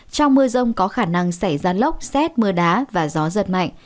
trong mưa rông có khả năng xảy ra lốc xét mưa đá và gió giật mạnh